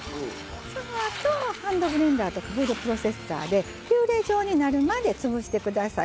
そのあと、ハンドブレンダーとかフードプロセッサーでピューレ状になるまで潰してください。